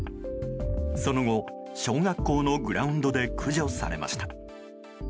その後、小学校のグラウンドで駆除されました。